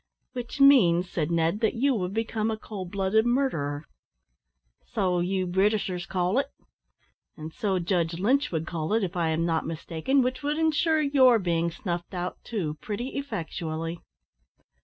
"Which means," said Ned, "that you would become a cold blooded murderer." "So you Britishers call it." "And so Judge Lynch would call it, if I am not mistaken, which would insure your being snuffed out too, pretty effectually."